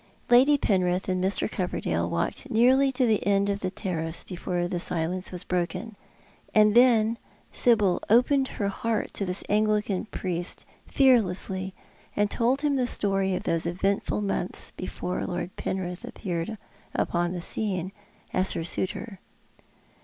Lady Penrith and Mr. Coverdale walked nearly to the end of the terrace before the silence was broken. And then Sibyl opened her heart to this Anglican priest, fearlessly, and told him the story of those eventful months before Lord Penritli appeared upon the scene as her suitor.